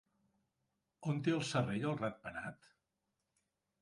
On té el serrell el ratpenat?